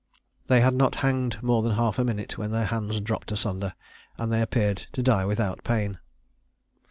They had not hanged more than half a minute when their hands dropped asunder, and they appeared to die without pain.